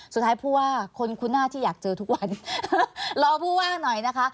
สุดท้ายผู้ว่าคนคุณหน้าที่อยากเจอทุกวันรอผู้ว่าหน่อยนะคะ